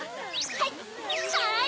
はい！